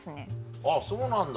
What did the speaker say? あぁそうなんだ。